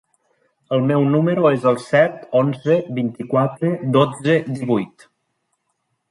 El meu número es el set, onze, vint-i-quatre, dotze, divuit.